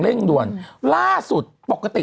ดื่มน้ำก่อนสักนิดใช่ไหมคะคุณพี่